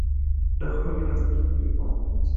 د خپل راتلونکي لپاره.